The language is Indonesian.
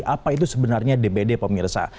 apa itu sebenarnya dbd pemirsa